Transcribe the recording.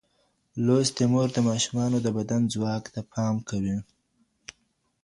لوستې مور د ماشومانو د بدن ځواک ته پام کوي.